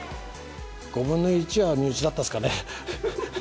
５分の１は身内だったですかね。